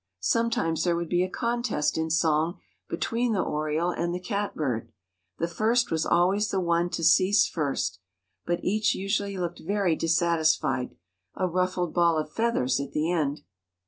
Sometimes there would be a contest in song between the oriole and the catbird. The first was always the one to cease first, but each usually looked very dissatisfied a ruffled ball of feathers at the end.